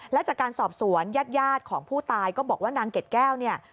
และจากการสอบสวนญาติของผู้ตายก็บอกว่านางเกดแก้วเนี่ย